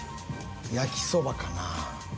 焼そばかな。